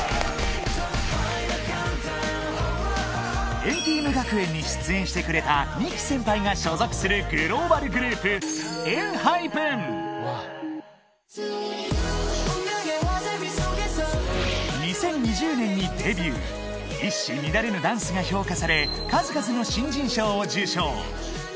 『＆ＴＥＡＭ 学園』に出演してくれた ＮＩ−ＫＩ 先輩が所属するグローバルグループ一糸乱れぬダンスが評価され数々の新人賞を受賞